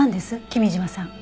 君嶋さん。